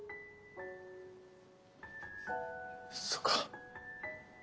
そうか。